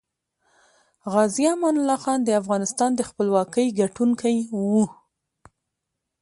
غازي امان الله خان دافغانستان دخپلواکۍ ګټونکی وه